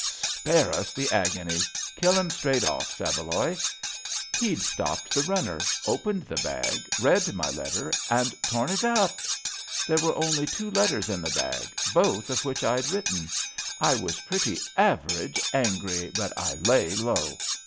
''Spare us the agony. Kill him straight off. Saveloy! *'He'd stopped the runner, opened the bag, read my letter and torn it up ! There were only two letters in the bag, both of which I'd written. I was pretty average angry, but I lay low.